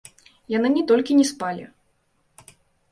Яны не толькі не спалі.